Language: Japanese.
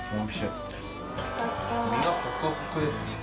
身がホクホクです。